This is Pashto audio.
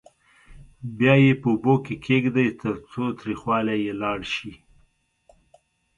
بیا یې په اوبو کې کېږدئ ترڅو تریخوالی یې لاړ شي.